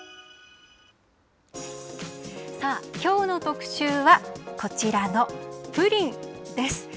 さあ、きょうの特集はこちらのプリンです。